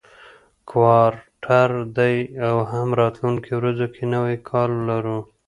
کوارټر دی او هم راتلونکو ورځو کې نوی کال لرو،